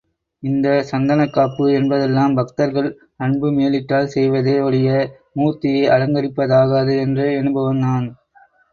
இந்தச் சந்தனக்காப்பு என்பதெல்லாம் பக்தர்கள் அன்பு மேலீட்டால் செய்வதே ஒழிய மூர்த்தியை அலங்கரிப்பதாகாது என்று எண்ணுபவன் நான்.